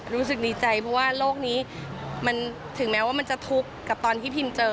รู้สึกดีใจเพราะว่าโลกนี้มันถึงแม้ว่ามันจะทุกข์กับตอนที่พิมเจอ